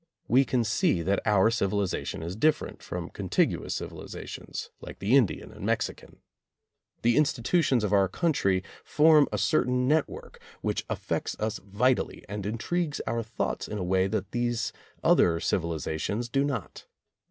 We can see that our civ ilization is different from contiguous civilizations like the Indian and Mexican. The institutions of our country form a certain network which affects [22 7 ] us vitally and intrigues our thoughts in a way that these other civilizations do not.